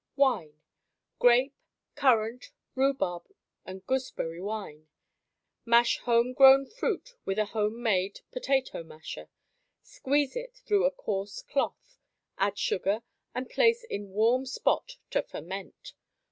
Wine Grape, currant, rhubarb and gooseberry wine: Mash home grown fruit with a home made potato masher, squeeze it through a coarse cloth, add sugar and place in warm spot to ferment.